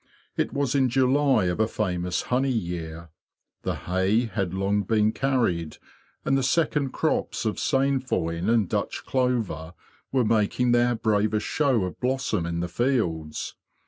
It was in July of a famous honey year. The hay had long been carried, and the second crops of sainfoin and Dutch clover were making their bravest show of blossom in the fields.